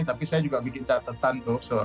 tapi saya juga bikin catatan tuh